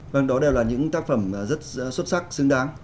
vâng đó đều là những tác phẩm rất xuất sắc xứng đáng